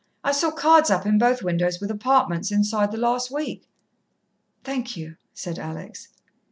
I saw cards up in both windows with 'apartments' inside the last week." "Thank you," said Alex.